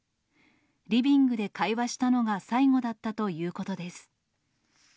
リビングで会話したのが最後だったということです。